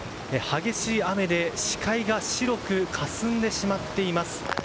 激しい雨で視界が白くかすんでしまっています。